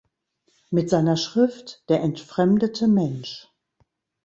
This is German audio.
Mit seiner Schrift "Der entfremdete Mensch.